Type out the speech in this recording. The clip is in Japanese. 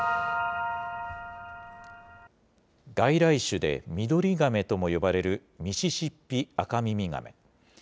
外来種で、ミドリガメとも呼ばれるミシシッピアカミミガメ。